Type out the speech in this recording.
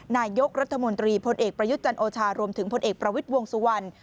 นายกรัฐมนตรีพลเอกประยุทธ์จันโอชารวมถึงพลเอกประวิทย์วงสุวรรณ